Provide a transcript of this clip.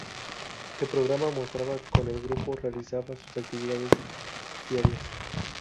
El programa mostraba como el grupo realizaba sus actividades diarias.